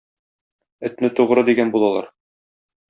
Этне тугъры дигән булалар.